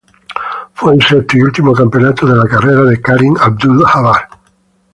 Fue el sexto y último campeonato de la carrera de Kareem Abdul-Jabbar.